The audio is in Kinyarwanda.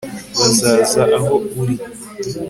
bazaza aho uri